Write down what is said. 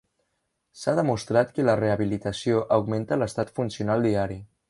S'ha demostrat que la rehabilitació augmenta l'estat funcional diari.